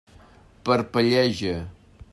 Parpelleja.